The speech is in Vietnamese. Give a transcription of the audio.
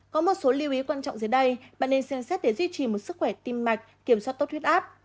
có một số lưu ý quan trọng dưới đây bạn nên xem xét để duy trì một sức khỏe tim mạch kiểm soát tốt huyết áp